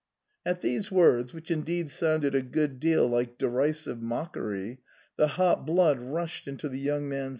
At these words, which indeed sounded a good deal like derisive mockery, the hot blood rushed into the young man's face.